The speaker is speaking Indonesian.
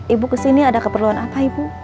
ibu kesini ada keperluan apa ibu